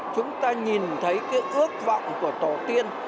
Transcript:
chúng ta nhìn thấy cái ước vọng của tổ tiên